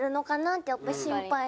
ってやっぱ心配に。